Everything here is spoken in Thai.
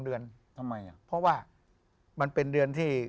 เดือนทำไมอ่ะเพราะว่ามันเป็นเดือนที่